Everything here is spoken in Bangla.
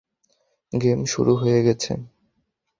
গেম শুরু হয়ে গেছে।